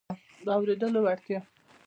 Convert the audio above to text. د اورېدو وړتیا